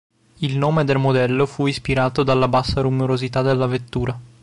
Il nome del modello fu ispirato dalla bassa rumorosità della vettura.